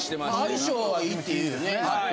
相性は良いって言うよね。